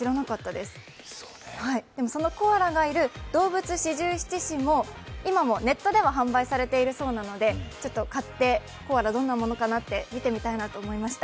でも、そのコアラがいる動物四十七士も、今もネットでは販売されているそうなので、買って、コアラ、どんなものか見てみたいと思いました。